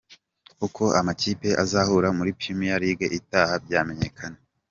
Uko amakipe azahura muri Premier League itaha byamenyekanye.